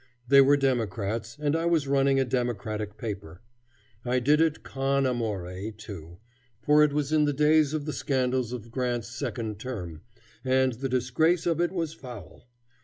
They were Democrats, and I was running a Democratic paper. I did it con amore, too, for it was in the days of the scandals of Grant's second term, and the disgrace of it was foul.